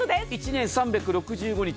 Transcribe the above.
１年３６５日